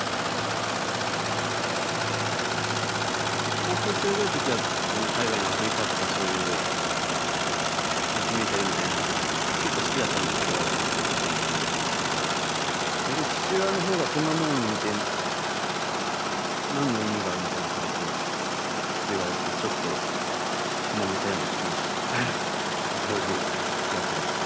高校生ぐらいの時は海外のアフリカとかそういうドキュメンタリーみたいなの結構好きだったんだけど逆に父親のほうがそんなもん見て何の意味があるみたいな感じのって言われてちょっともめたような気も当時気がするっすね。